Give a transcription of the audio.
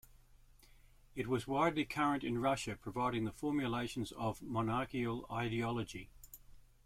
It was widely current in Russia providing the formulations of monarchical ideology.